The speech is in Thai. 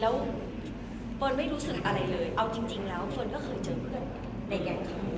แล้วเฟิร์นไม่รู้สึกอะไรเลยเอาจริงแล้วเฟิร์นก็เคยเจอเพื่อนในแก๊งเขา